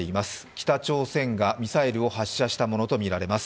北朝鮮がミサイルを発射したものとみられます。